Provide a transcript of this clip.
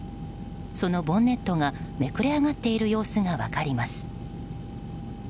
そのボンネットがめくれ上がっている様子が分かります。